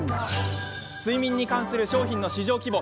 睡眠に関する商品の市場規模